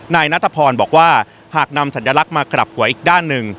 ณณะทะพรบอกว่าหากนำศัลย์รักษณ์มากลับกว่าอีกด้านหนึ่ง